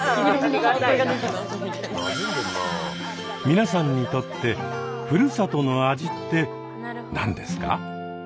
皆さんにとって「ふるさとの味」って何ですか？